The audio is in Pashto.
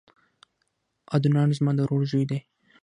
عدنان زما د ورور زوی دی